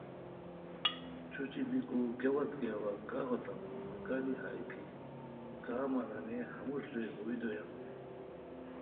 چھوچی بیکو کیہ وتکی اوا انگاہ ہوتام مہ کاری ہائے کی کا مہ نامئیے ہموݰ رے ہوئے دویان